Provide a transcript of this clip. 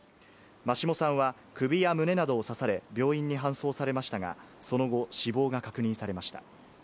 眞下さんは、首や胸などを刺され、病院に搬送されましたが、その後、死亡が確認されました。